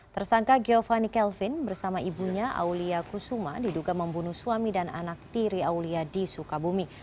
tersangka giovanni kelvin bersama ibunya aulia kusuma diduga membunuh suami dan anak tiri aulia di sukabumi